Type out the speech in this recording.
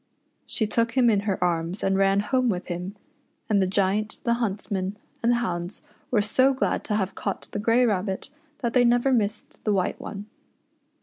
She took him in her arms and ran home with him, and the Giant, the huntsmen, and the hounds were so glad to have caught the grey rabbit that they never missed the white one.